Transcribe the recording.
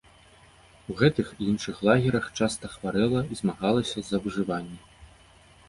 У гэтых і іншых лагерах часта хварэла і змагалася за выжыванне.